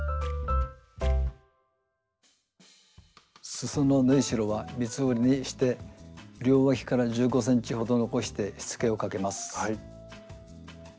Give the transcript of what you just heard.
すその縫いしろは三つ折りにして両わきから１５ｃｍほど残してしつけをかけます。